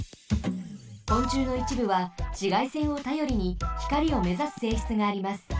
こんちゅうのいちぶはしがいせんをたよりにひかりをめざすせいしつがあります。